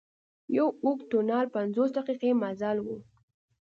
یو اوږد تونل پنځلس دقيقې مزل و.